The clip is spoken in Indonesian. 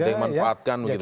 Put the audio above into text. ada yang manfaatkan begitu